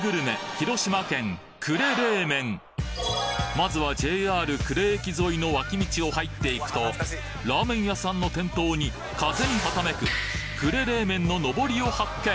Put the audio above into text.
まずはＪＲ呉駅沿いの脇道を入っていくとラーメン屋さんの店頭に風にはためく呉冷麺ののぼりを発見！